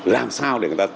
làm sao để người ta